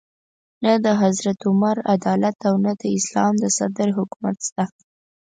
نه د حضرت عمر عدالت او نه د اسلام د صدر حکومت شته.